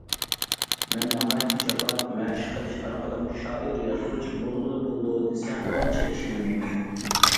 مەن ناھايىتى جاپالىق مەشىق قىلىش ئارقىلىق شائىر، يازغۇچى بولغىلى بولىدۇ، دېسە ئانچە ئىشەنمەيمەن.